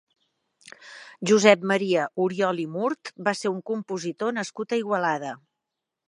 Josep Maria Oriol i Murt va ser un compositor nascut a Igualada.